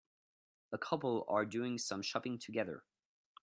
A couple are doing some shopping together